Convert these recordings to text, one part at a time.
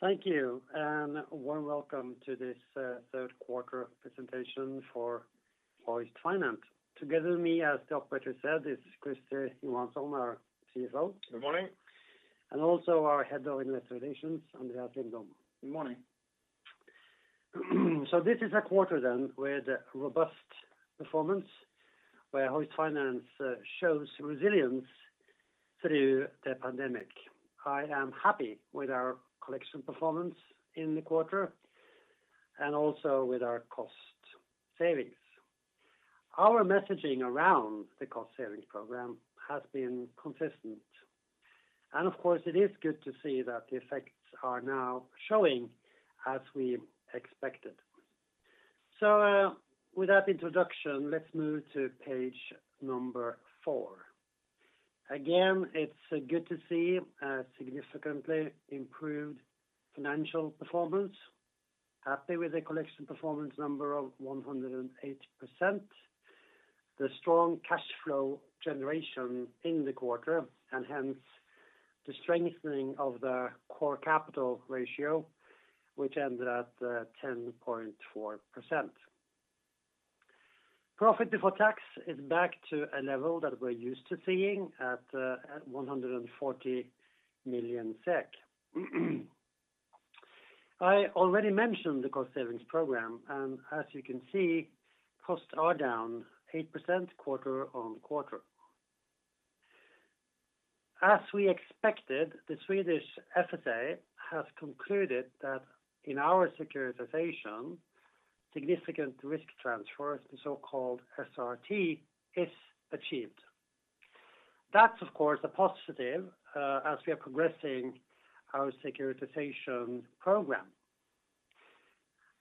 Thank you, a warm welcome to this third quarter presentation for Hoist Finance. Together with me, as the operator said, is Christer Johansson, our CFO. Good morning. Also our Head of Investor Relations, Andreas Lindblom. Good morning. This is a quarter then with robust performance where Hoist Finance shows resilience through the pandemic. I am happy with our collection performance in the quarter, and also with our cost savings. Our messaging around the cost savings program has been consistent. Of course it is good to see that the effects are now showing as we expected. With that introduction, let's move to page number four. Again, it's good to see a significantly improved financial performance. Happy with the collection performance number of 108%, the strong cash flow generation in the quarter, and hence the strengthening of the core capital ratio, which ended at 10.4%. Profit before tax is back to a level that we're used to seeing at 140 million SEK. I already mentioned the cost savings program, and as you can see, costs are down 8% quarter-on-quarter. As we expected, the Swedish FSA has concluded that in our securitization, significant risk transfer, the so-called SRT, is achieved. That's of course a positive as we are progressing our securitization program.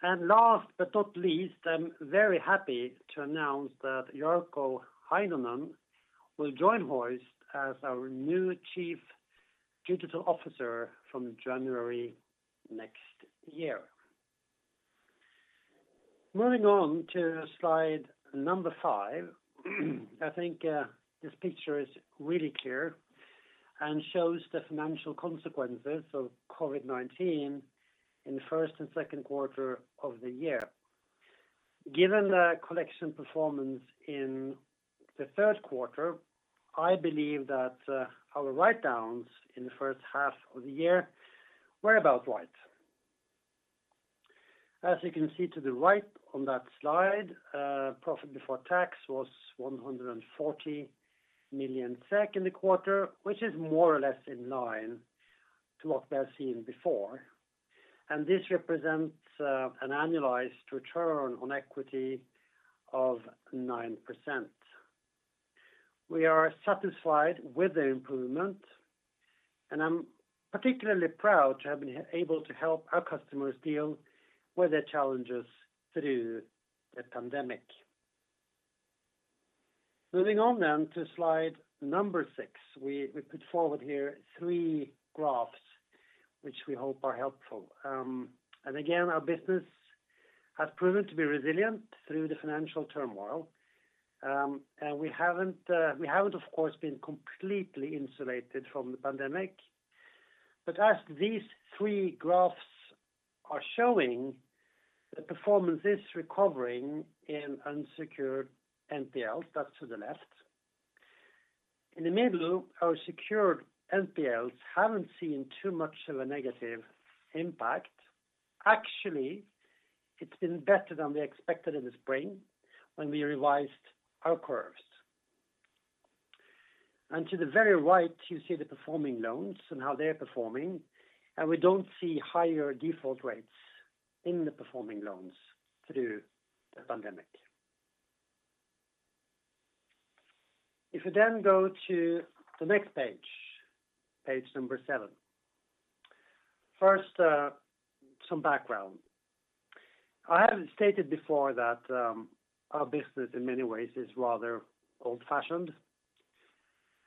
Last but not least, I'm very happy to announce that Jarkko Heinonen will join Hoist as our new Chief Digital Officer from January next year. Moving on to slide number five. I think this picture is really clear and shows the financial consequences of COVID-19 in the first and second quarter of the year. Given the collection performance in the third quarter, I believe that our write-downs in the first half of the year were about right. As you can see to the right on that slide, profit before tax was 140 million SEK in the quarter, which is more or less in line to what we have seen before. This represents an annualized return on equity of 9%. We are satisfied with the improvement, and I'm particularly proud to have been able to help our customers deal with the challenges through the pandemic. Moving on then to slide number six. We put forward here three graphs which we hope are helpful. Again, our business has proven to be resilient through the financial turmoil. We haven't of course been completely insulated from the pandemic, but as these three graphs are showing, the performance is recovering in unsecured NPL. That's to the left. In the middle, our secured NPLs haven't seen too much of a negative impact. Actually, it's been better than we expected in the spring when we revised our curves. To the very right, you see the performing loans and how they're performing, and we don't see higher default rates in the performing loans through the pandemic. If we then go to the next page number seven. First, some background. I have stated before that our business in many ways is rather old-fashioned.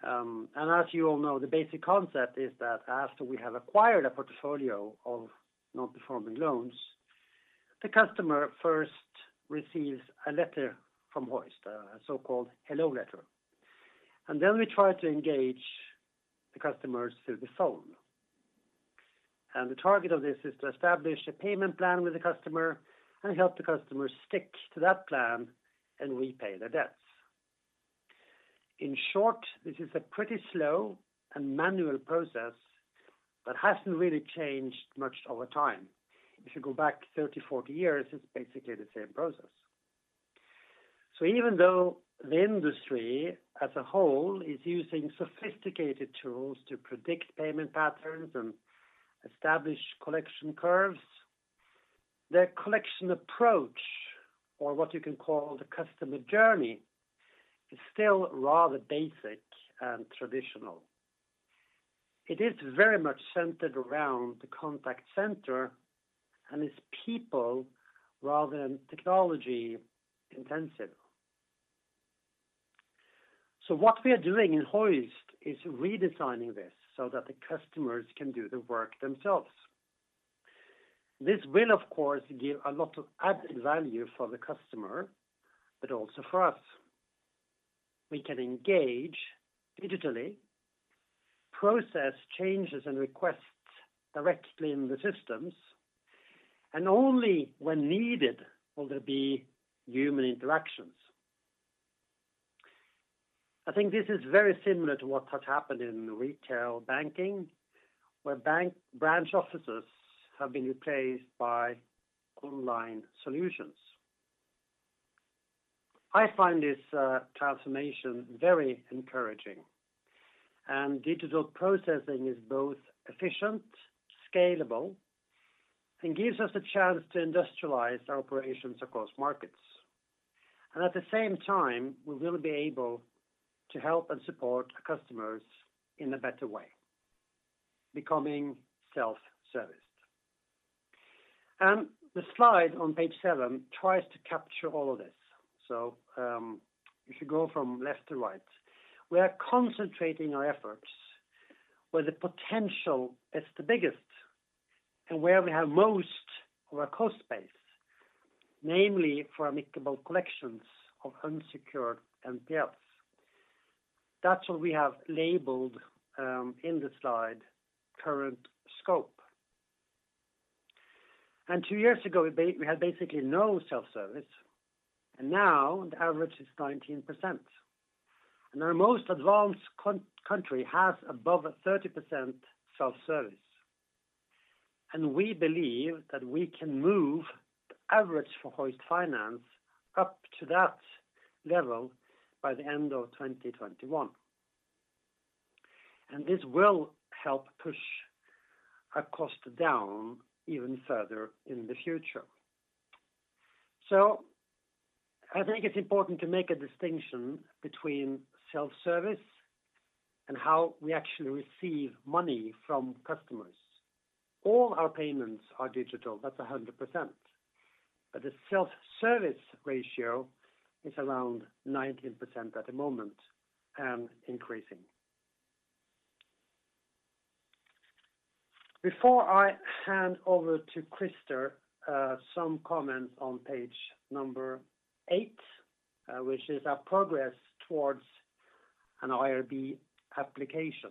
As you all know, the basic concept is that after we have acquired a portfolio of non-performing loans, the customer first receives a letter from Hoist, a so-called hello letter, and then we try to engage the customers through the phone. The target of this is to establish a payment plan with the customer and help the customer stick to that plan and repay their debts. In short, this is a pretty slow and manual process that hasn't really changed much over time. If you go back 30 years, 40 years, it's basically the same process. Even though the industry as a whole is using sophisticated tools to predict payment patterns and establish collection curves, their collection approach, or what you can call the customer journey, is still rather basic and traditional. It is very much centered around the contact center and is people rather than technology-intensive. What we are doing in Hoist is redesigning this so that the customers can do the work themselves. This will, of course, give a lot of added value for the customer, but also for us. We can engage digitally, process changes and requests directly in the systems, and only when needed will there be human interactions. I think this is very similar to what has happened in retail banking, where bank branch offices have been replaced by online solutions. I find this transformation very encouraging. Digital processing is both efficient, scalable, and gives us a chance to industrialize our operations across markets. At the same time, we will be able to help and support our customers in a better way, becoming self-serviced. The slide on page seven tries to capture all of this. If you go from left to right. We are concentrating our efforts where the potential is the biggest and where we have most of our cost base, namely for amicable collections of unsecured NPLs. That's what we have labeled in the slide current scope. Two years ago, we had basically no self-service, and now the average is 19%. Our most advanced country has above a 30% self-service. We believe that we can move the average for Hoist Finance up to that level by the end of 2021. This will help push our cost down even further in the future. I think it's important to make a distinction between self-service and how we actually receive money from customers. All our payments are digital, that's 100%, but the self-service ratio is around 19% at the moment and increasing. Before I hand over to Christer, some comments on page number eight, which is our progress towards an IRB application.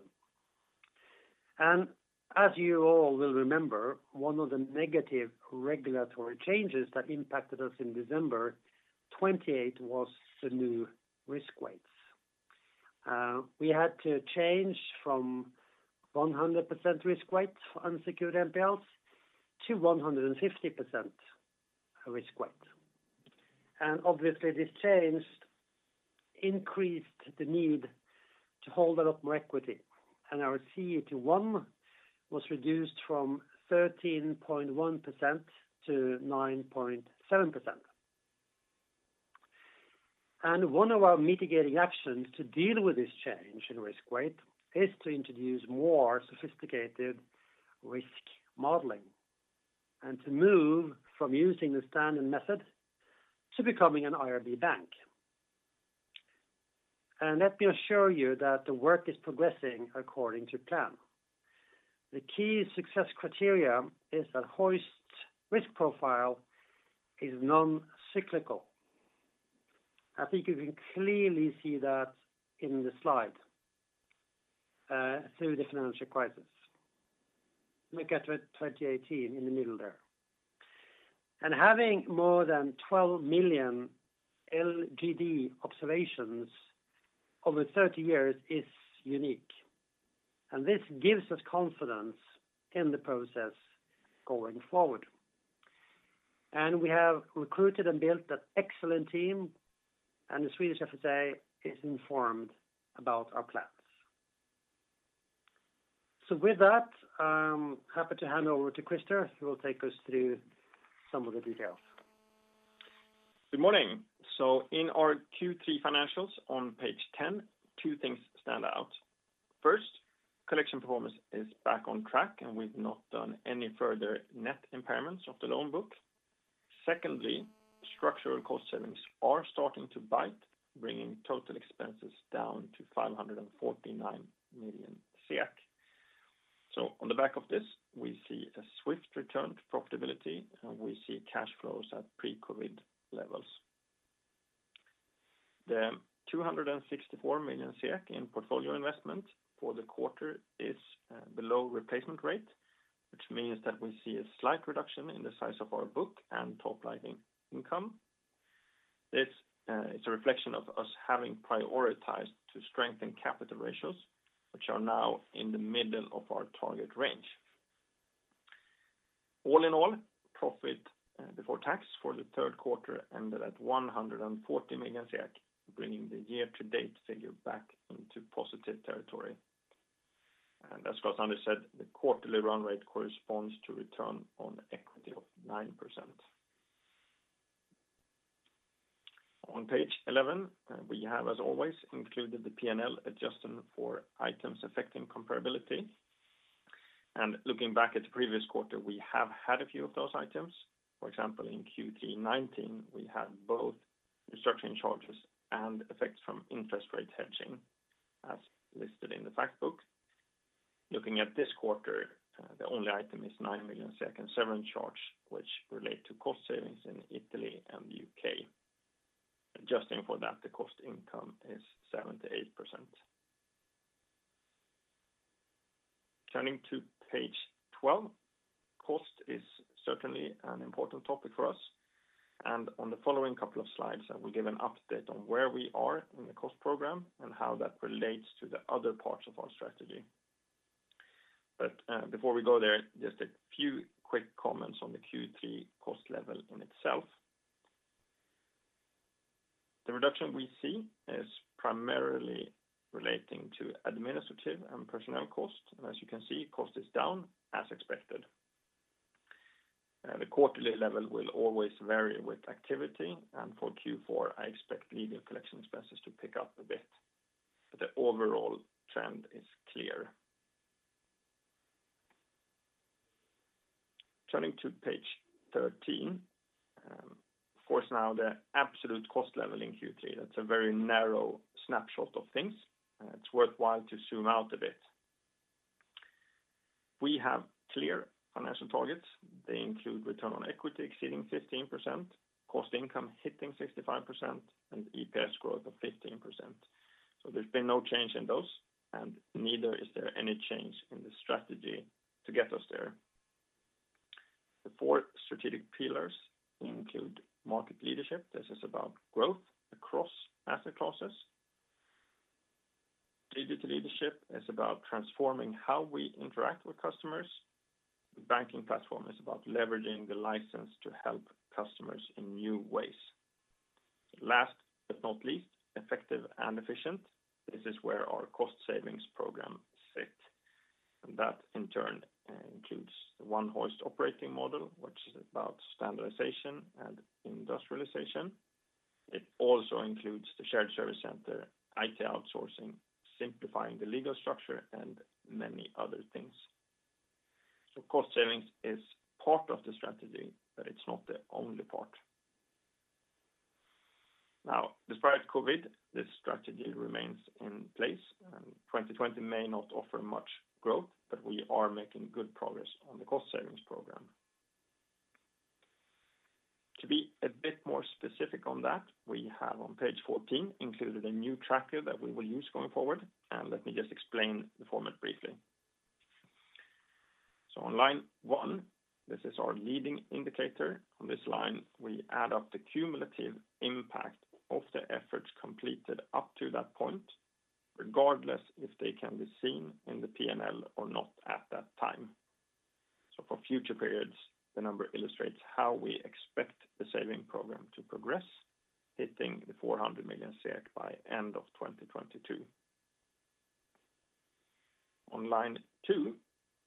As you all will remember, one of the negative regulatory changes that impacted us in December 28 was the new risk weights. We had to change from 100% risk weight for unsecured NPLs to 150% risk weight. Obviously, this change increased the need to hold a lot more equity. Our CET1 was reduced from 13.1% to 9.7%. One of our mitigating actions to deal with this change in risk weight is to introduce more sophisticated risk modeling and to move from using the standard method to becoming an IRB bank. Let me assure you that the work is progressing according to plan. The key success criteria is that Hoist risk profile is non-cyclical. I think you can clearly see that in the slide through the financial crisis. Look at 2018 in the middle there. Having more than 12 million LGD observations over 30 years is unique, and this gives us confidence in the process going forward. We have recruited and built an excellent team, and the Swedish FSA is informed about our plans. With that, I'm happy to hand over to Christer, who will take us through some of the details. Good morning. In our Q3 financials on page 10, two things stand out. First, collection performance is back on track, and we've not done any further net impairments of the loan book. Secondly, structural cost savings are starting to bite, bringing total expenses down to 549 million SEK. On the back of this, we see a swift return to profitability, and we see cash flows at pre-COVID levels. The 264 million SEK in portfolio investment for the quarter is below replacement rate, which means that we see a slight reduction in the size of our book and top line income. It's a reflection of us having prioritized to strengthen capital ratios, which are now in the middle of our target range. All in all, profit before tax for the third quarter ended at 140 million, bringing the year-to-date figure back into positive territory. As Klaus-Anders said, the quarterly run rate corresponds to return on equity of 9%. On page 11, we have as always included the P&L adjustment for items affecting comparability. Looking back at the previous quarter, we have had a few of those items. For example, in Q3 2019, we had both restructuring charges and effects from interest rate hedging. As listed in the fact book. Looking at this quarter, the only item is 9 million in severance charge, which relate to cost savings in Italy and the U.K. Adjusting for that, the cost income is 78%. Turning to page 12, cost is certainly an important topic for us and on the following couple of slides, I will give an update on where we are in the cost program and how that relates to the other parts of our strategy. Before we go there, just a few quick comments on the Q3 cost level in itself. The reduction we see is primarily relating to administrative and personnel cost. As you can see, cost is down as expected. The quarterly level will always vary with activity and for Q4, I expect leading collection expenses to pick up a bit, but the overall trend is clear. Turning to page 13. Of course now the absolute cost level in Q3, that's a very narrow snapshot of things. It's worthwhile to zoom out a bit. We have clear financial targets. They include return on equity exceeding 15%, cost income hitting 65%, and EPS growth of 15%. There's been no change in those, and neither is there any change in the strategy to get us there. The four strategic pillars include market leadership. This is about growth across asset classes. Digital leadership is about transforming how we interact with customers. The banking platform is about leveraging the license to help customers in new ways. Last but not least, effective and efficient. This is where our cost savings program sit, that in turn includes the One Hoist operating model, which is about standardization and industrialization. It also includes the shared service center, IT outsourcing, simplifying the legal structure and many other things. Cost savings is part of the strategy, but it's not the only part. Despite COVID, this strategy remains in place 2020 may not offer much growth, we are making good progress on the cost savings program. To be a bit more specific on that, we have on page 14 included a new tracker that we will use going forward let me just explain the format briefly. On line one, this is our leading indicator. On this line, we add up the cumulative impact of the efforts completed up to that point, regardless if they can be seen in the P&L or not at that time. For future periods, the number illustrates how we expect the saving program to progress, hitting the 400 million by end of 2022. On line two,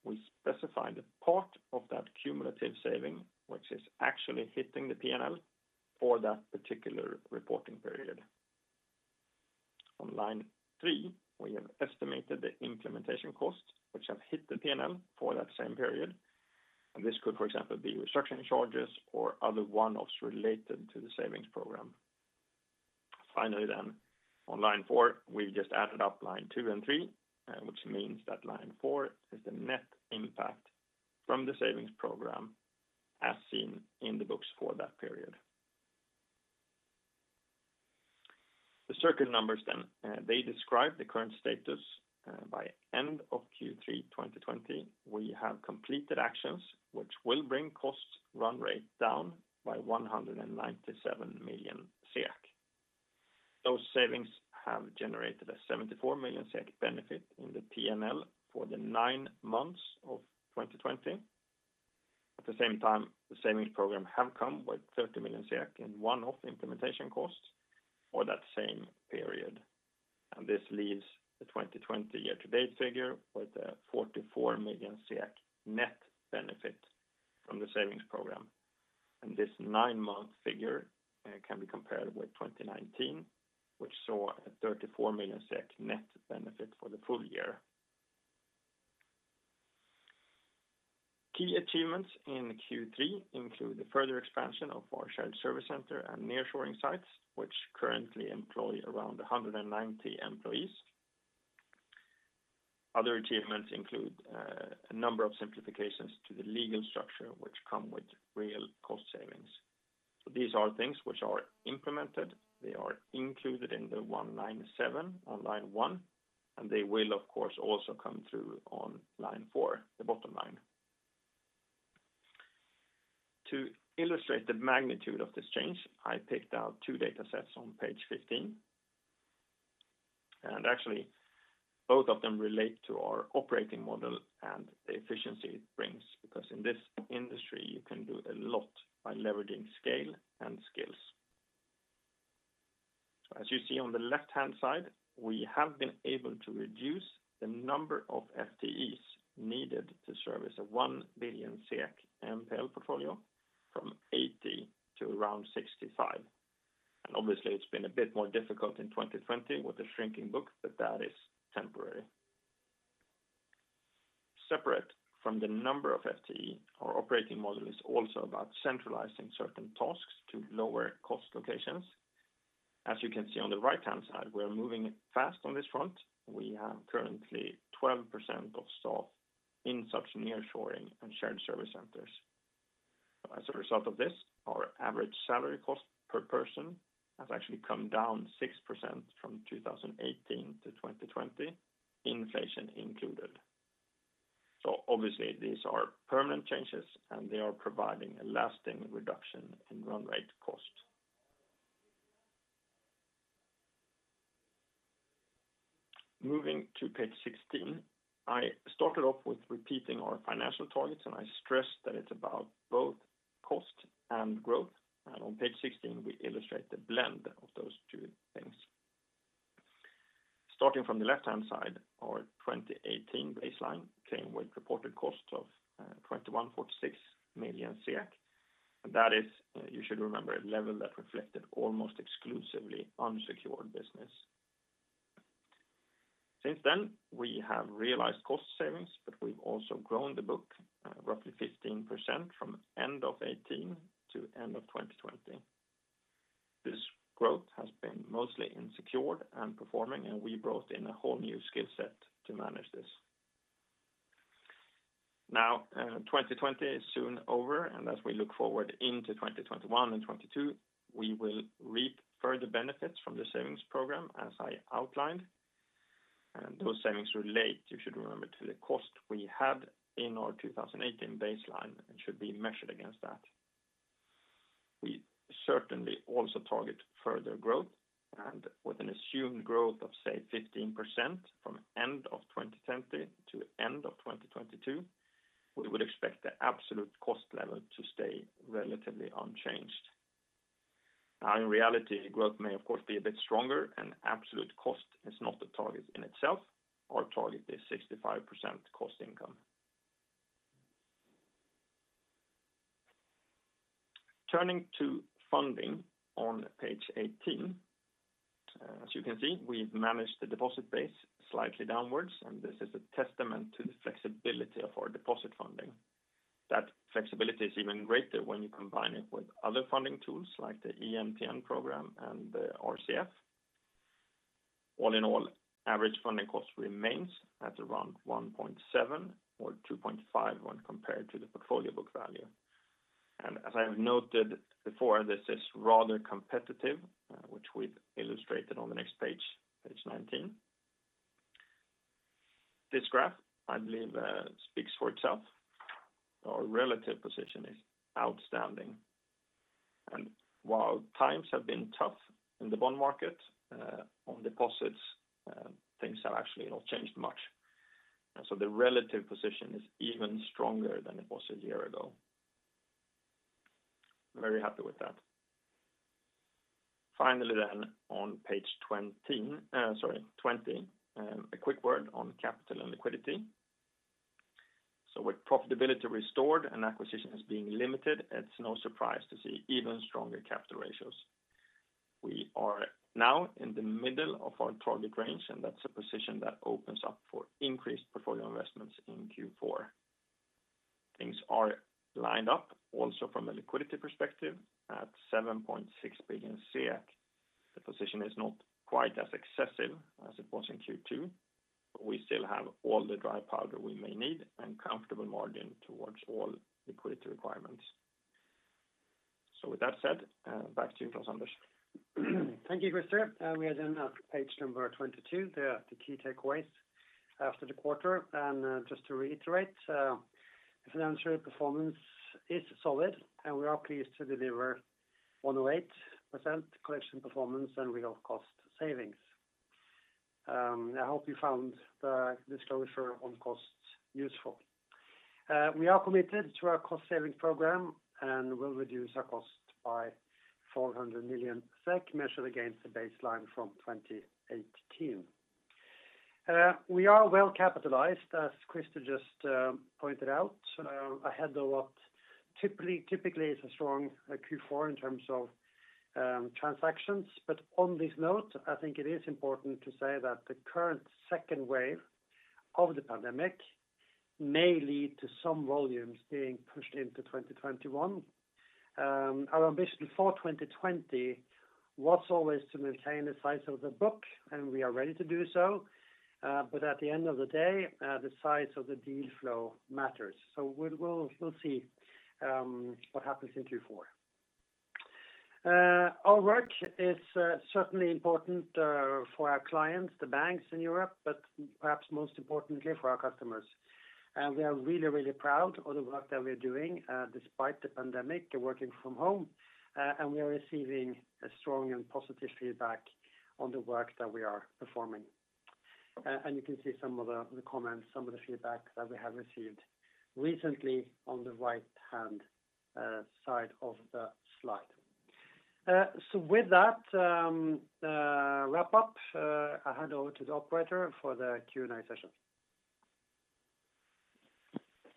we specify the part of that cumulative saving, which is actually hitting the P&L for that particular reporting period. On line three, we have estimated the implementation cost, which has hit the P&L for that same period. This could, for example, be restructuring charges or other one-offs related to the savings program. Finally, on line four, we've just added up line two and three, which means that line four is the net impact from the savings program as seen in the books for that period. The circled numbers, they describe the current status. By end of Q3 2020, we have completed actions which will bring costs run rate down by 197 million SEK. Those savings have generated a 74 million SEK benefit in the P&L for the nine months of 2020. At the same time, the savings program have come with 30 million in one-off implementation costs for that same period. This leaves the 2020 year-to-date figure with a 44 million net benefit from the savings program. This nine-month figure can be compared with 2019, which saw a 34 million SEK net benefit for the full year. Key achievements in Q3 include the further expansion of our shared service center and nearshoring sites, which currently employ around 190 employees. Other achievements include a number of simplifications to the legal structure which come with real cost savings. These are things which are implemented, they are included in the 197 on line one, and they will of course also come through on line four, the bottom line. To illustrate the magnitude of this change, I picked out two data sets on page 15 and actually both of them relate to our operating model and the efficiency it brings because in this industry you can do a lot by leveraging scale and skills. As you see on the left-hand side, we have been able to reduce the number of FTEs needed to service a 1 billion SEK NPL portfolio from 80 to around 65. Obviously it's been a bit more difficult in 2020 with the shrinking book, but that is temporary. Separate from the number of FTE, our operating model is also about centralizing certain tasks to lower cost locations. As you can see on the right-hand side, we are moving fast on this front. We have currently 12% of staff in such nearshoring and shared service centers. As a result of this, our average salary cost per person has actually come down 6% from 2018 to 2020, inflation included. Obviously these are permanent changes and they are providing a lasting reduction in run rate cost. Moving to page 16. I started off with repeating our financial targets, and I stressed that it's about both cost and growth. On page 16, we illustrate the blend of those two things. Starting from the left-hand side, our 2018 baseline came with reported cost of 2,146 million. That is, you should remember, a level that reflected almost exclusively unsecured business. Since then, we have realized cost savings, but we've also grown the book roughly 15% from end of 2018 to end of 2020. This growth has been mostly in secured and performing, and we brought in a whole new skillset to manage this. Now, 2020 is soon over. As we look forward into 2021 and 2022, we will reap further benefits from the savings program, as I outlined. Those savings relate, you should remember, to the cost we had in our 2018 baseline and should be measured against that. We certainly also target further growth and with an assumed growth of, say, 15% from end of 2020 to end of 2022, we would expect the absolute cost level to stay relatively unchanged. Now, in reality, growth may of course be a bit stronger and absolute cost is not the target in itself. Our target is 65% cost income. Turning to funding on page 18. As you can see, we've managed the deposit base slightly downwards, and this is a testament to the flexibility of our deposit funding. That flexibility is even greater when you combine it with other funding tools like the EMTN program and the RCF. All in all, average funding cost remains at around 1.7% or 2.5% when compared to the portfolio book value. As I have noted before, this is rather competitive which we've illustrated on the next page 19. This graph, I believe speaks for itself. Our relative position is outstanding. While times have been tough in the bond market, on deposits things have actually not changed much. The relative position is even stronger than it was a year ago. Very happy with that. On page 20, a quick word on capital and liquidity. With profitability restored and acquisitions being limited, it's no surprise to see even stronger capital ratios. We are now in the middle of our target range, and that's a position that opens up for increased portfolio investments in Q4. Things are lined up also from a liquidity perspective at 7.6 billion. The position is not quite as excessive as it was in Q2, but we still have all the dry powder we may need and comfortable margin towards all liquidity requirements. With that said, back to you, Klaus-Anders. Thank you, Christer. We are at page number 22, the key takeaways after the quarter. Just to reiterate, financial performance is solid and we are pleased to deliver 108% collection performance and real cost savings. I hope you found the disclosure on costs useful. We are committed to our cost savings program and will reduce our cost by 400 million SEK measured against the baseline from 2018. We are well capitalized, as Christer just pointed out, ahead of what typically is a strong Q4 in terms of transactions. On this note, I think it is important to say that the current second wave of the pandemic may lead to some volumes being pushed into 2021. Our ambition for 2020 was always to maintain the size of the book, and we are ready to do so. At the end of the day the size of the deal flow matters. We'll see what happens in Q4. Our work is certainly important for our clients, the banks in Europe, but perhaps most importantly for our customers. We are really, really proud of the work that we are doing despite the pandemic and working from home. We are receiving a strong and positive feedback on the work that we are performing. You can see some of the comments, some of the feedback that we have received recently on the right-hand side of the slide. With that wrap up, I hand over to the operator for the Q&A session.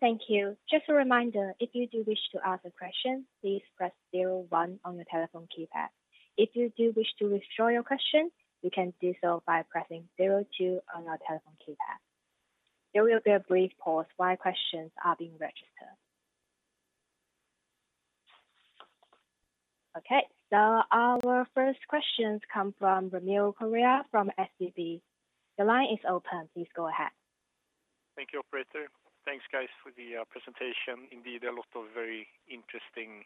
Thank you. Just a reminder, if you do wish to ask a question, please press zero one on your telephone keypad. If you do wish to withdraw your question, you can do so by pressing zero two on your telephone keypad. There will be a brief pause while questions are being registered. Okay. Our first questions come from [Daniel Correa from SEB. The line is open. Please go ahead. Thank you, operator. Thanks guys for the presentation. Indeed, a lot of very interesting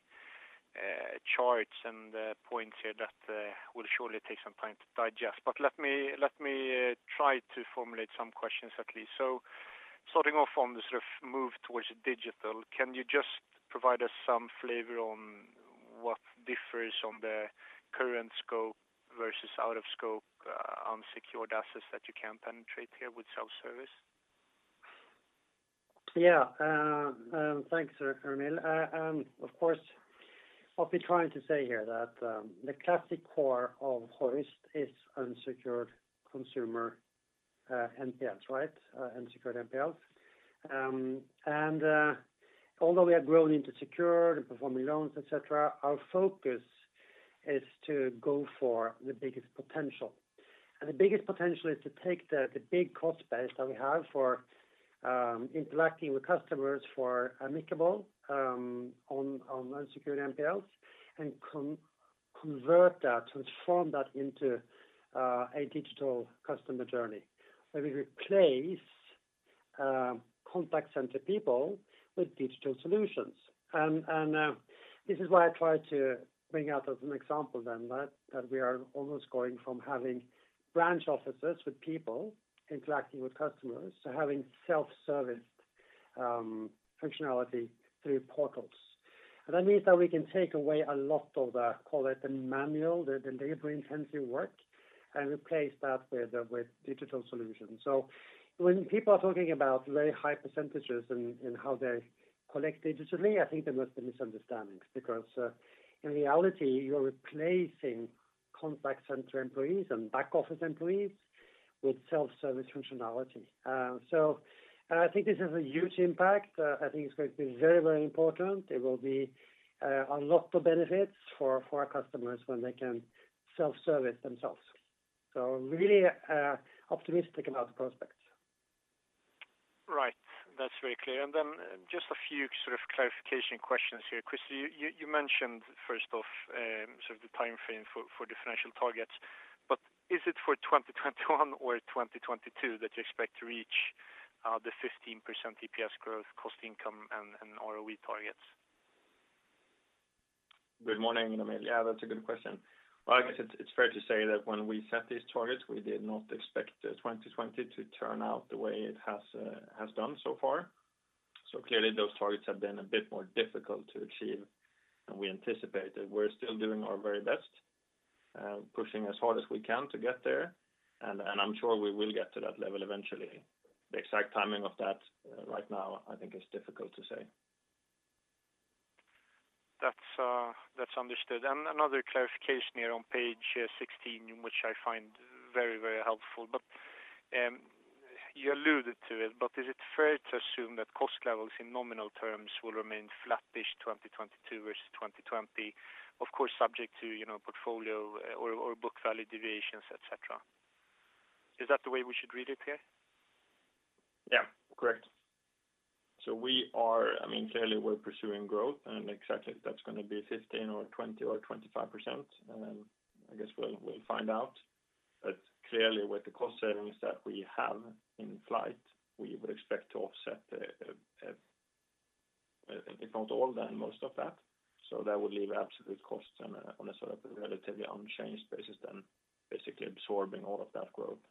charts and points here that will surely take some time to digest. Let me try to formulate some questions at least. Starting off on the move towards digital, can you just provide us some flavor on what differs on the current scope versus out of scope on secured assets that you can penetrate here with self-service? Yeah. Thanks, [Daniel]. Of course, what we're trying to say here that the classic core of Hoist is unsecured consumer NPLs, right? Unsecured NPLs. Although we have grown into secured and performing loans, et cetera, our focus is to go for the biggest potential. The biggest potential is to take the big cost base that we have for interacting with customers for amicable on unsecured NPLs and convert that, transform that into a digital customer journey, where we replace contact center people with digital solutions. This is why I try to bring out as an example then that we are almost going from having branch offices with people interacting with customers to having self-service functionality through portals. That means that we can take away a lot of the, call it the manual, the labor-intensive work and replace that with digital solutions. When people are talking about very high percentages and how they collect digitally, I think there must be misunderstandings because in reality, you're replacing contact center employees and back office employees with self-service functionality. I think this has a huge impact. I think it's going to be very important. There will be a lot of benefits for our customers when they can self-service themselves. Really optimistic about the prospects. Right. That's very clear. Then just a few clarification questions here. Christer, you mentioned first off the timeframe for the financial targets, but is it for 2021 or 2022 that you expect to reach the 15% EPS growth cost income and ROE targets? Good morning, [Daniel]. Yeah, that's a good question. Well, I guess it's fair to say that when we set these targets, we did not expect 2020 to turn out the way it has done so far. Clearly those targets have been a bit more difficult to achieve than we anticipated. We're still doing our very best, pushing as hard as we can to get there and I'm sure we will get to that level eventually. The exact timing of that right now I think is difficult to say. That's understood. Another clarification here on page 16, which I find very helpful. You alluded to it, but is it fair to assume that cost levels in nominal terms will remain flattish 2022 versus 2020? Of course, subject to portfolio or book value deviations, et cetera. Is that the way we should read it here? Yeah, correct. Clearly we're pursuing growth and exactly if that's going to be 15% or 20% or 25%, I guess we'll find out. Clearly with the cost savings that we have in flight, we would expect to offset if not all, then most of that. That would leave absolute cost on a relatively unchanged basis than basically absorbing all of that growth.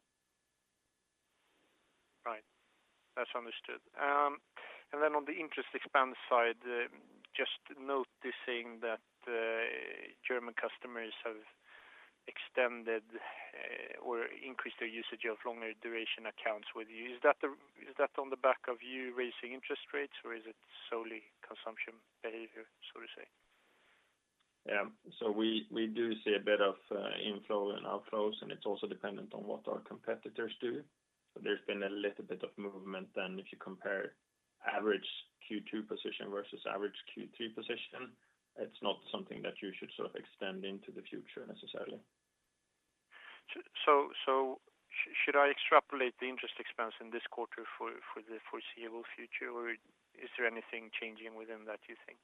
Right. That's understood. On the interest expense side, just noticing that German customers have extended or increased their usage of longer duration accounts with you. Is that on the back of you raising interest rates or is it solely consumption behavior, so to say? Yeah. We do see a bit of inflow and outflows, and it's also dependent on what our competitors do. There's been a little bit of movement then if you compare average Q2 position versus average Q3 position, it's not something that you should extend into the future necessarily. Should I extrapolate the interest expense in this quarter for the foreseeable future or is there anything changing within that you think?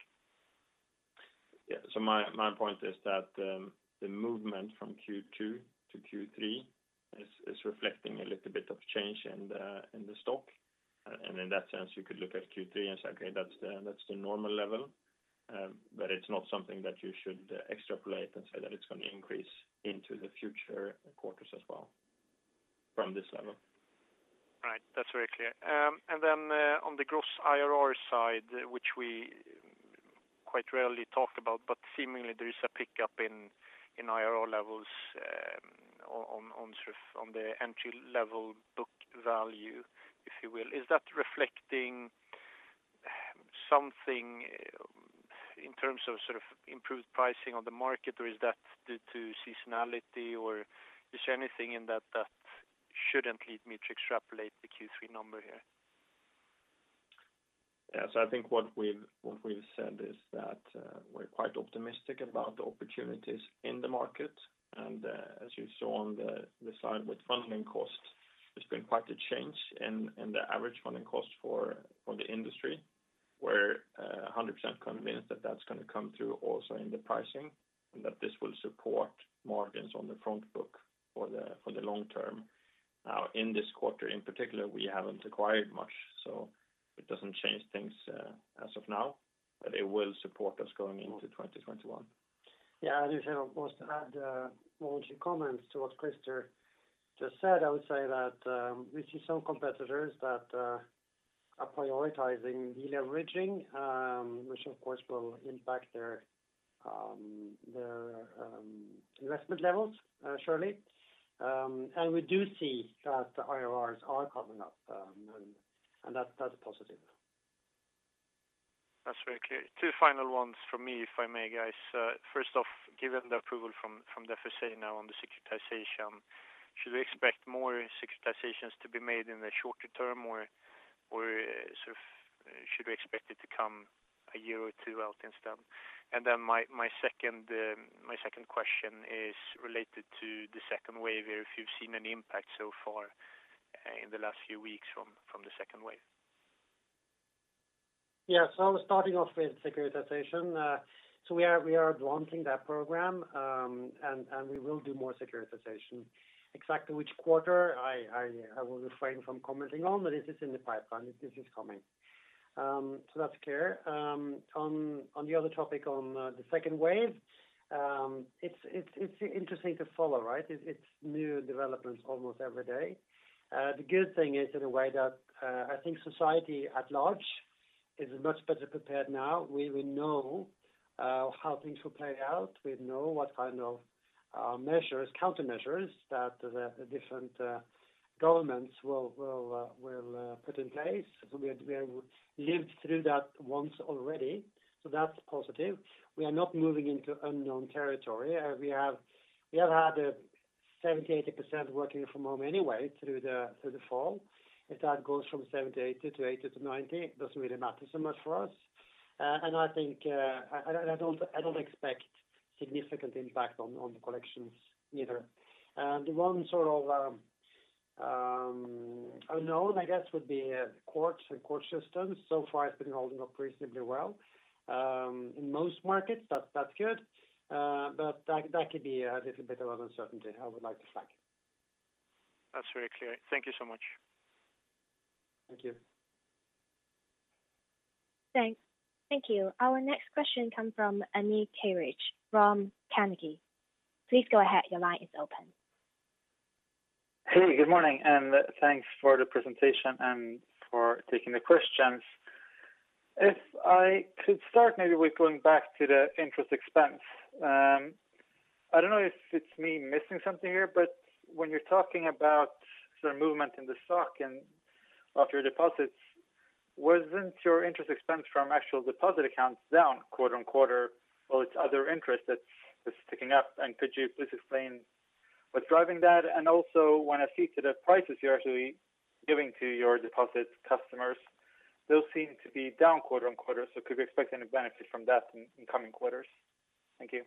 My point is that the movement from Q2 to Q3 is reflecting a little bit of change in the stock. In that sense, you could look at Q3 and say, okay, that's the normal level. It's not something that you should extrapolate and say that it's going to increase into the future quarters as well from this level. Right. That is very clear. Then on the gross IRR side, which we quite rarely talk about, but seemingly there is a pickup in IRR levels on the entry level book value, if you will. Is that reflecting something in terms of improved pricing on the market, or is that due to seasonality, or is there anything in that that shouldn't lead me to extrapolate the Q3 number here? Yes, I think what we've said is that we're quite optimistic about the opportunities in the market. As you saw on the slide with funding costs, there's been quite a change in the average funding cost for the industry. We're 100% convinced that that's going to come through also in the pricing, and that this will support margins on the front book for the long term. Now, in this quarter in particular, we haven't acquired much, so it doesn't change things as of now, but it will support us going into 2021. If I was to add one or two comments to what Christer just said, I would say that we see some competitors that are prioritizing de-leveraging, which, of course, will impact their investment levels, surely. We do see that the IRRs are coming up, and that's a positive. That's very clear. Two final ones from me, if I may, guys. First off, given the approval from the FSA now on the securitization, should we expect more securitizations to be made in the shorter term, or should we expect it to come a year or two out instead? Then my second question is related to the second wave. If you've seen any impact so far in the last few weeks from the second wave? Yeah. I'll starting off with securitization. We are launching that program and we will do more securitization. Exactly which quarter I will refrain from commenting on, but it is in the pipeline. This is coming. That's clear. On the other topic on the second wave, it's interesting to follow, right? It's new developments almost every day. The good thing is, in a way, that I think society at large is much better prepared now. We know how things will play out. We know what kind of countermeasures that the different governments will put in place. We have lived through that once already, so that's positive. We are not moving into unknown territory. We have had 70%, 80% working from home anyway through the fall. If that goes from 70% to 80% to 90%, it doesn't really matter so much for us. I don't expect significant impact on the collections either. The one unknown, I guess, would be courts and court systems. So far, it's been holding up reasonably well in most markets. That's good. That could be a little bit of uncertainty I would like to flag. That's very clear. Thank you so much. Thank you. Thanks. Thank you. Our next question comes from Ermin Keric from Carnegie. Please go ahead. Hey, good morning, thanks for the presentation and for taking the questions. If I could start maybe with going back to the interest expense. I don't know if it's me missing something here, when you're talking about the movement in the stock and of your deposits, wasn't your interest expense from actual deposit accounts down quarter-on-quarter? Well, it's other interest that is ticking up. Could you please explain what's driving that? Also, when I see to the prices you're actually giving to your deposit customers, those seem to be down quarter-on-quarter. Could we expect any benefit from that in coming quarters? Thank you.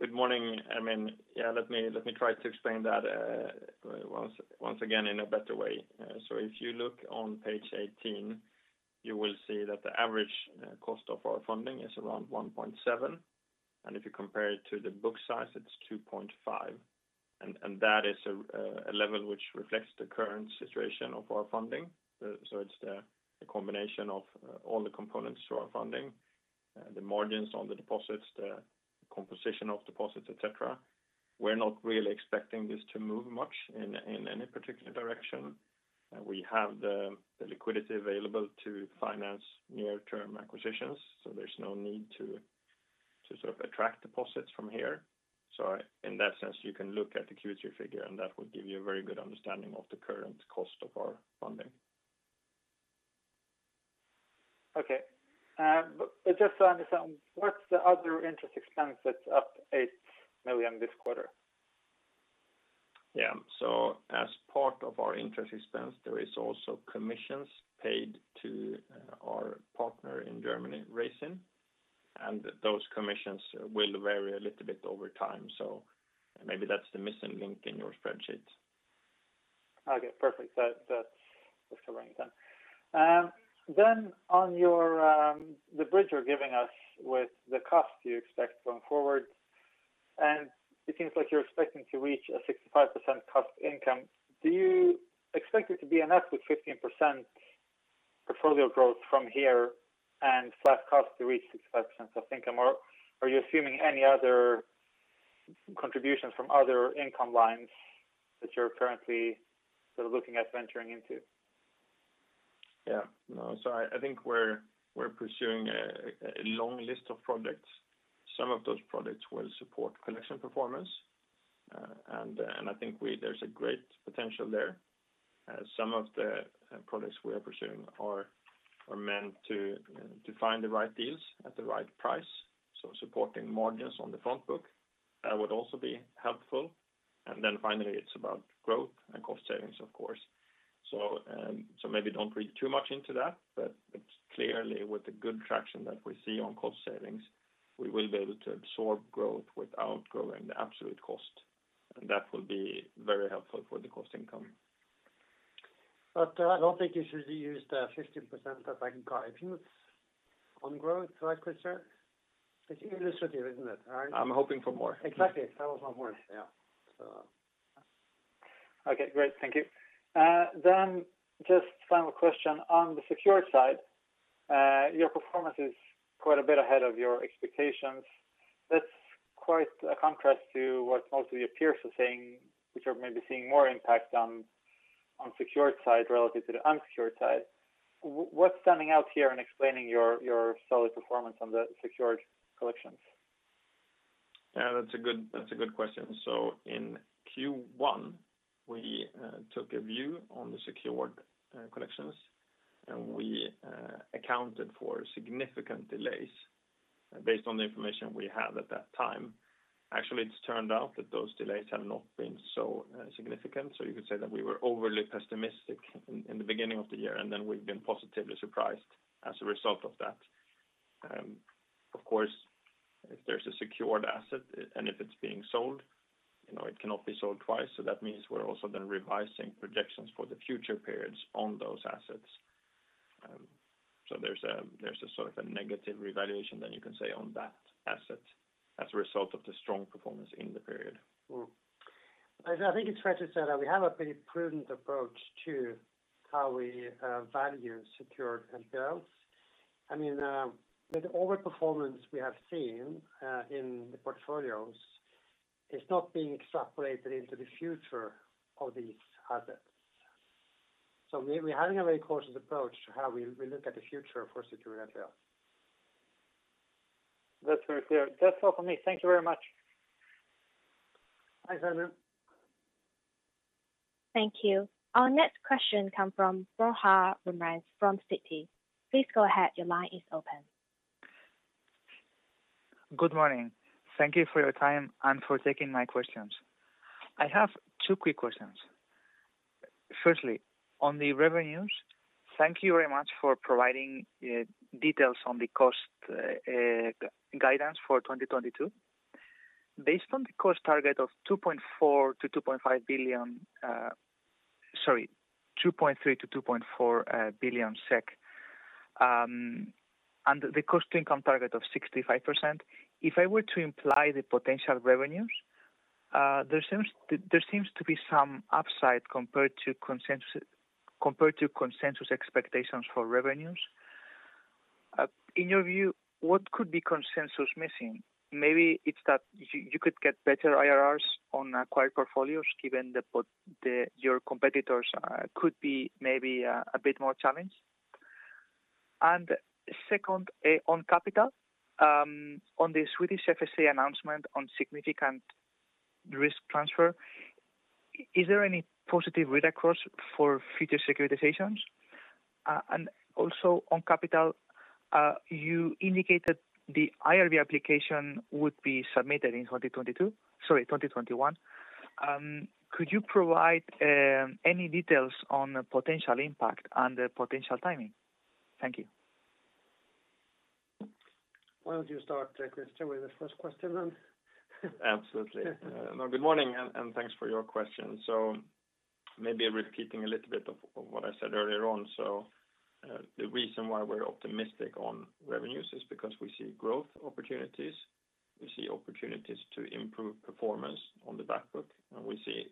Good morning. Ermin. Yeah, let me try to explain that once again in a better way. If you look on page 18, you will see that the average cost of our funding is around 1.7%. If you compare it to the book size, it's 2.5%. That is a level which reflects the current situation of our funding. It's the combination of all the components to our funding, the margins on the deposits, the composition of deposits, et cetera. We're not really expecting this to move much in any particular direction. We have the liquidity available to finance near-term acquisitions, there's no need to attract deposits from here. In that sense, you can look at the Q3 figure, and that will give you a very good understanding of the current cost of our funding. Okay. Just to understand, what's the other interest expense that's up 8 million this quarter? As part of our interest expense, there is also commissions paid to our partner in Germany, Raisin. Those commissions will vary a little bit over time. Maybe that's the missing link in your spreadsheet. Okay, perfect. That's covering then. On the bridge you're giving us with the cost you expect going forward, it seems like you're expecting to reach a 65% cost income. Do you expect it to be enough with 15% portfolio growth from here and flat cost to reach 65% of income, or are you assuming any other contributions from other income lines that you're currently looking at venturing into? I think we're pursuing a long list of projects. Some of those projects will support collection performance. I think there's a great potential there. Some of the products we are pursuing are meant to find the right deals at the right price. Supporting margins on the front book would also be helpful. Finally, it's about growth and cost savings, of course. Maybe don't read too much into that, but it's clearly with the good traction that we see on cost savings, we will be able to absorb growth without growing the absolute cost. That will be very helpful for the cost income. I don't think you should use the 15% that I got, if you would, on growth, right, Christer? It's illustrative, isn't it? I'm hoping for more. Exactly. I was hoping for more. Yeah. Okay, great. Thank you. Just final question on the secured side. Your performance is quite a bit ahead of your expectations. That's quite a contrast to what most of your peers are saying, which are maybe seeing more impact on secured side relative to the unsecured side. What's standing out here in explaining your solid performance on the secured collections? Yeah, that's a good question. In Q1, we took a view on the secured collections, and we accounted for significant delays based on the information we had at that time. Actually, it's turned out that those delays have not been so significant. You could say that we were overly pessimistic in the beginning of the year, and then we've been positively surprised as a result of that. Of course, if there's a secured asset and if it's being sold, it cannot be sold twice. That means we're also then revising projections for the future periods on those assets. There's a sort of a negative revaluation than you can say on that asset as a result of the strong performance in the period. I think it's fair to say that we have a pretty prudent approach to how we value secured NPLs. With the overperformance we have seen in the portfolios, it's not being extrapolated into the future of these assets. We're having a very cautious approach to how we look at the future for secured NPLs. That's very clear. That's all for me. Thank you very much. Thanks, Ermin. Thank you. Our next question come from Borja Ramirez from Citi. Please go ahead. Your line is open. Good morning. Thank you for your time and for taking my questions. I have two quick questions. Firstly, on the revenues, thank you very much for providing details on the cost guidance for 2022. Based on the cost target of 2.3 billion-2.4 billion SEK, and the cost income target of 65%, if I were to imply the potential revenues, there seems to be some upside compared to consensus expectations for revenues. In your view, what could be consensus missing? Maybe it's that you could get better IRRs on acquired portfolios given that your competitors could be maybe a bit more challenged. Second, on capital, on the Swedish FSA announcement on significant risk transfer, is there any positive read-across for future securitizations? Also on capital, you indicated the IRB application would be submitted in 2021. Could you provide any details on the potential impact and the potential timing? Thank you. Why don't you start, Christer, with the first question then? Absolutely. No, good morning, and thanks for your question. Maybe repeating a little bit of what I said earlier on. The reason why we're optimistic on revenues is because we see growth opportunities, we see opportunities to improve performance on the back book, and we see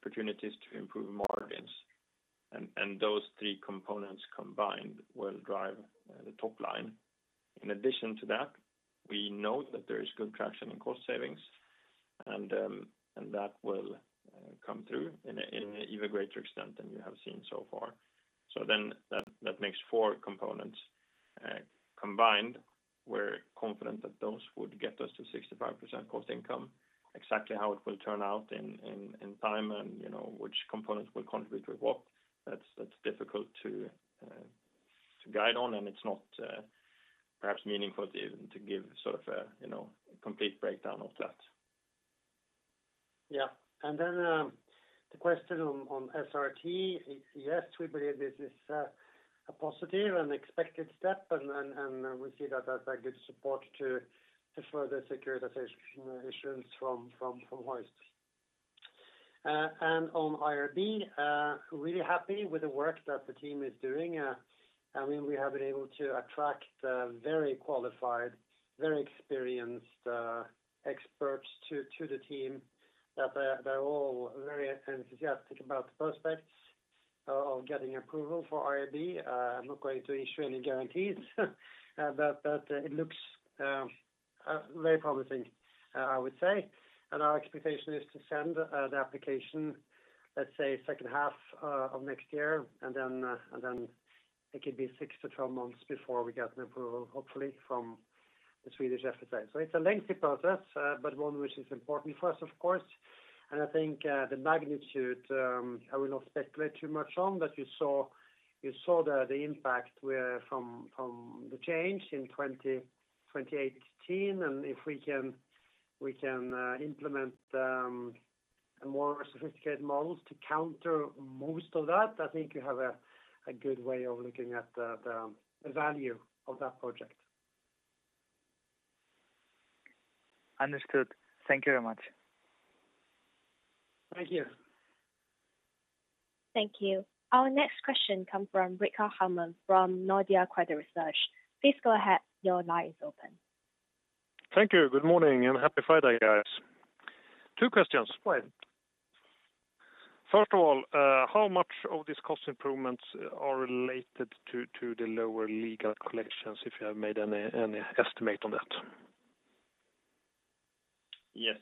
opportunities to improve margins. Those three components combined will drive the top line. In addition to that, we know that there is good traction in cost savings, and that will come through in even greater extent than you have seen so far. That makes four components. Combined, we're confident that those would get us to 65% cost income. Exactly how it will turn out in time and which components will contribute with what, that's difficult to guide on, and it's not perhaps meaningful to give sort of a complete breakdown of that. Yeah. The question on SRT, yes, we believe this is a positive and expected step, and we see that as a good support to further securitization issuance from Hoist. On IRB, really happy with the work that the team is doing. We have been able to attract very qualified, very experienced experts to the team, that they're all very enthusiastic about the prospects of getting approval for IRB. I'm not going to issue any guarantees, it looks very promising, I would say. Our expectation is to send the application, let's say, second half of next year. It could be six to 12 months before we get an approval, hopefully from the Swedish FSA. It's a lengthy process, one which is important for us, of course. I think the magnitude, I will not speculate too much on, you saw the impact from the change in 2018, if we can implement more sophisticated models to counter most of that, I think you have a good way of looking at the value of that project. Understood. Thank you very much. Thank you. Thank you. Our next question come from Rickard Hellman from Nordea Credit Research. Please go ahead. Your line is open. Thank you. Good morning, and happy Friday, guys. Two questions. Great. First of all, how much of these cost improvements are related to the lower legal collections, if you have made any estimate on that? Yes.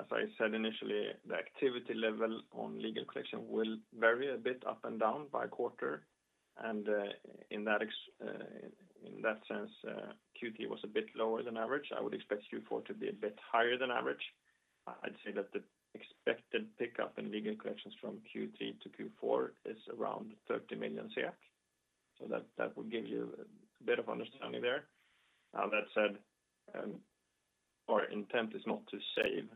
As I said initially, the activity level on legal collection will vary a bit up and down by quarter. In that sense, Q3 was a bit lower than average. I would expect Q4 to be a bit higher than average. I'd say that the expected pickup in legal collections from Q3 to Q4 is around 30 million. That will give you a bit of understanding there. That said, our intent is not to save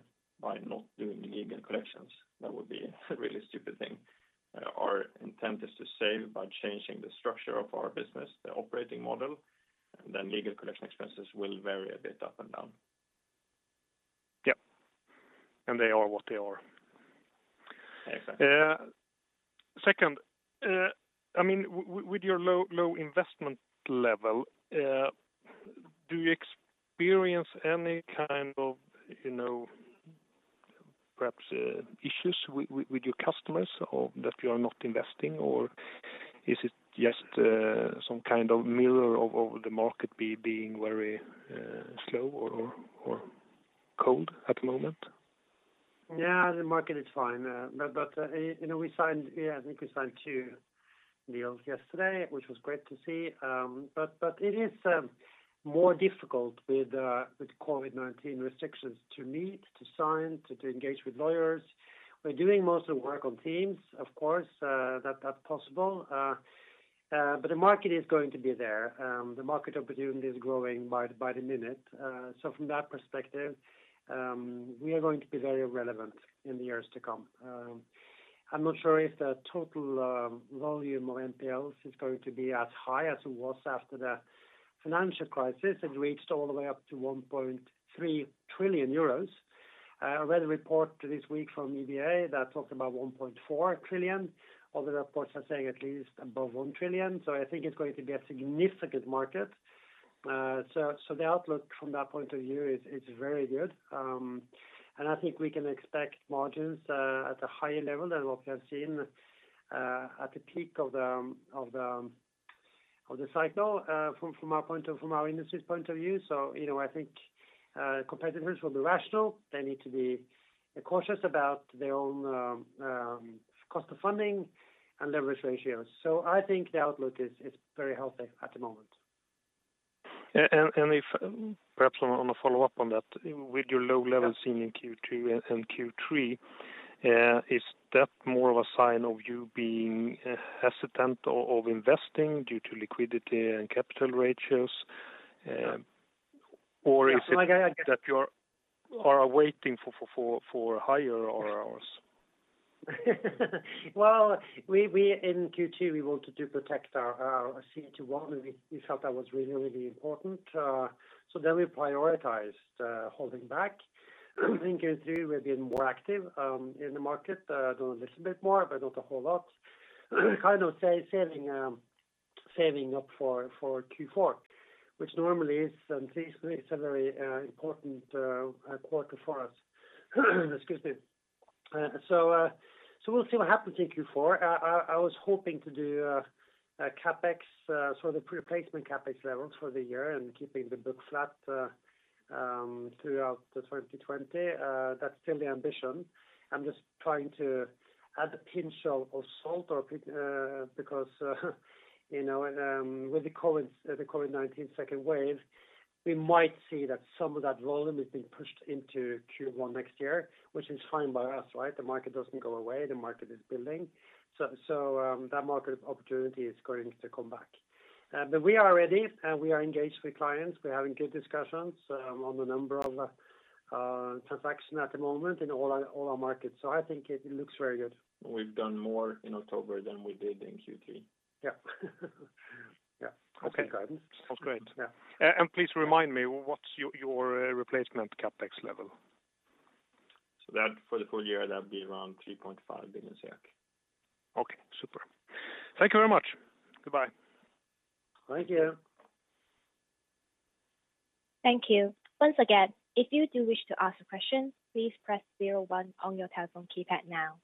by not doing legal collections. That would be a really stupid thing. Our intent is to save by changing the structure of our business, the operating model, and then legal collection expenses will vary a bit up and down. Yep. They are what they are. Exactly. Second, with your low investment level, do you experience any kind of perhaps issues with your customers, or that you are not investing, or is it just some kind of mirror of the market being very slow or cold at the moment? The market is fine. I think we signed two deals yesterday, which was great to see. It is more difficult with COVID-19 restrictions to meet, to sign, to engage with lawyers. We are doing most of the work on Teams, of course. That is possible. The market is going to be there. The market opportunity is growing by the minute. From that perspective, we are going to be very relevant in the years to come. I am not sure if the total volume of NPLs is going to be as high as it was after the financial crisis. It reached all the way up to 1.3 trillion euros. I read a report this week from EBA that talked about 1.4 trillion. Other reports are saying at least above 1 trillion. I think it is going to be a significant market. The outlook from that point of view is very good. I think we can expect margins at a higher level than what we have seen at the peak of the cycle from our industry's point of view. I think competitors will be rational. They need to be cautious about their own cost of funding and leverage ratios. I think the outlook is very healthy at the moment. If perhaps on a follow-up on that, with your low levels seen in Q2 and Q3, is that more of a sign of you being hesitant of investing due to liquidity and capital ratios? Yeah Or is it that you are waiting for higher IRRs? Well, in Q2, we wanted to protect our CET1, we felt that was really important. We prioritized holding back. In Q3, we've been more active in the market, doing a little bit more, not a whole lot. Kind of saving up for Q4, which normally is, this is a very important quarter for us. Excuse me. We'll see what happens in Q4. I was hoping to do a CapEx, sort of replacement CapEx levels for the year and keeping the book flat throughout 2020. That's still the ambition. I'm just trying to add a pinch of salt or because with the COVID-19 second wave, we might see that some of that volume is being pushed into Q1 next year, which is fine by us. The market doesn't go away. The market is building. That market opportunity is going to come back. We are ready and we are engaged with clients. We're having good discussions on a number of transactions at the moment in all our markets. I think it looks very good. We've done more in October than we did in Q3. Yeah. Yeah. Okay. That's the guidance. Sounds great. Yeah. Please remind me, what's your replacement CapEx level? That for the full year, that'd be around 3.5 billion. Okay, super. Thank you very much. Goodbye. Thank you. Thank you. Once again, if you do wish to ask a question, please press zero one on your telephone keypad now.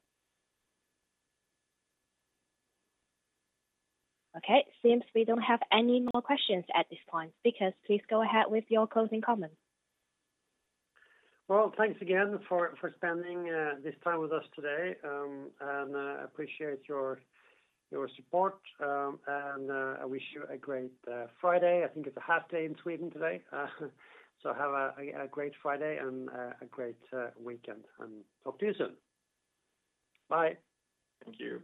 Okay, seems we don't have any more questions at this point. Speakers, please go ahead with your closing comments. Well, thanks again for spending this time with us today, and I appreciate your support, and I wish you a great Friday. I think it's a half day in Sweden today. Have a great Friday and a great weekend, and talk to you soon. Bye. Thank you.